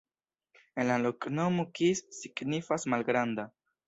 En la loknomo kis signifas: malgranda.